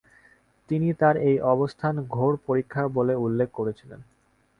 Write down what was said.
তিনি তাঁর এই অবস্থান ঘোর পরীক্ষা বলে উল্লেখ করেছিলেন-